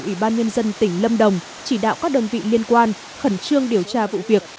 ủy ban nhân dân tỉnh lâm đồng chỉ đạo các đơn vị liên quan khẩn trương điều tra vụ việc